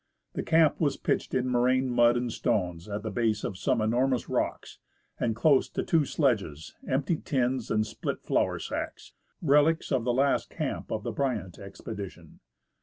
The camp was pitched in moraine mud and stones, at the base of some enormous rocks, and close to two sledges, empty tins and split flour sacks, relics of the last camp of the Bryant expedition.